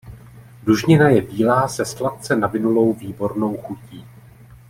Dužnina je bílá se sladce navinulou výbornou chutí.